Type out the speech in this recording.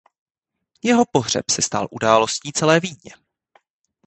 Jeho pohřeb se stal událostí celé Vídně.